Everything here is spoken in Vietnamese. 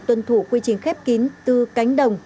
tuân thủ quy trình khép kín từ cánh đồng